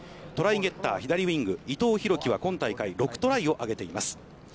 トライゲッター、左ウイング、伊藤大暉は今大会６トライを上げています。